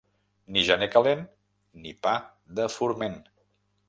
Ni gener calent, ni pa de forment.